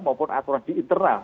maupun aturan di internal